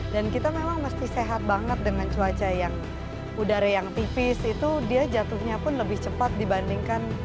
dan kita memang mesti sehat banget dengan cuaca yang udara yang tipis itu dia jatuhnya pun lebih cepat dibandingkan